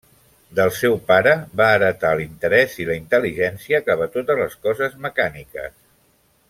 Del seu pare, va heretar l'interès i la intel·ligència cap a totes les coses mecàniques.